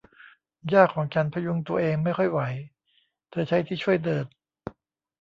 ย่าของฉันพยุงตัวเองไม่ค่อยไหว เธอใช้ที่ช่วยเดิน